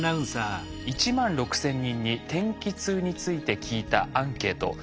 １万６，０００人に天気痛について聞いたアンケート。